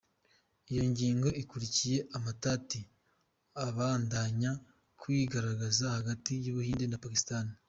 Iyo ngingo ikurikiye amatati abandanya kwigaragaza hagati y’Ubuhinde na Pakistan.